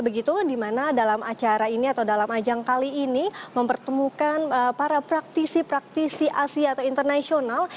begitu di mana dalam acara ini atau dalam ajang kali ini mempertemukan para praktisi praktisi asia atau internasional